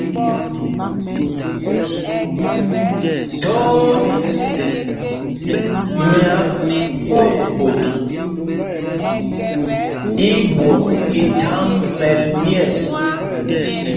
Thɔɔ mí Akwooɓot i ɓwɔk i thaŋ mɛl myɛ̂ɛs.